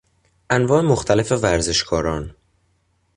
انواع مختلف ورزشکاران